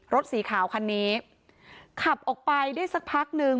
รถสีขาวคันนี้ขับออกไปได้สักพักนึง